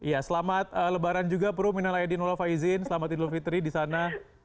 iya selamat lebaran juga pru minal aydin wafaizin selamat idul fitri di sana